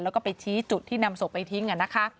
แล้วก็ไปชี้จุดที่นำศพไปทิ้งนะคะ